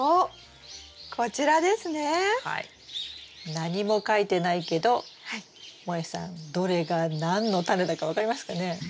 何も書いてないけどもえさんどれが何のタネだか分かりますかね？